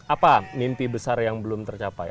apa mimpi besar yang belum tercapai